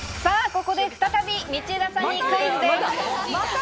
ここで再び道枝さんにクイズです。